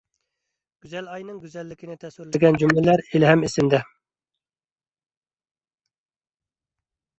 گۈزەلئاينىڭ گۈزەللىكىنى تەسۋىرلىگەن جۈملىلەر ھېلىھەم ئېسىمدە.